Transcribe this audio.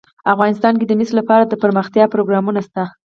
افغانستان کې د مس لپاره دپرمختیا پروګرامونه شته.